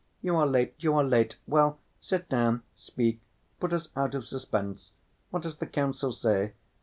"You are late, you are late! Well, sit down, speak, put us out of suspense. What does the counsel say.